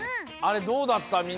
あれどうだった？